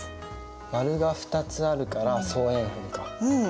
円が２つあるから双円墳か。